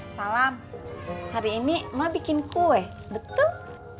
salam hari ini mama bikin kue betul